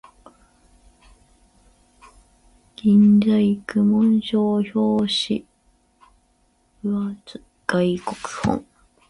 例えば、銀細工の紋章が表紙に付いた分厚い外国の本